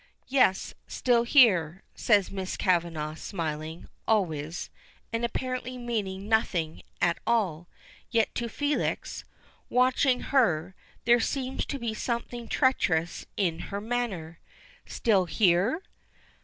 "Yes, still here," says Miss Kavanagh, smiling, always, and apparently meaning nothing at all; yet to Felix, watching her, there seems to be something treacherous in her manner. "Still here?"